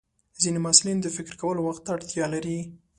ځینې محصلین د فکر کولو وخت ته اړتیا لري.